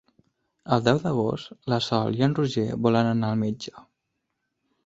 El deu d'agost na Sol i en Roger volen anar al metge.